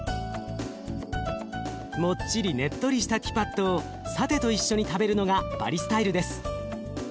もっちりねっとりしたティパットをサテと一緒に食べるのがバリスタイルです。